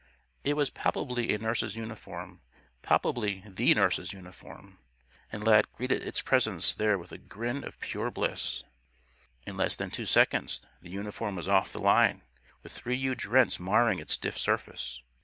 It was palpably a nurse's uniform palpably the nurse's uniform. And Lad greeted its presence there with a grin of pure bliss. In less than two seconds the uniform was off the line, with three huge rents marring its stiff surface.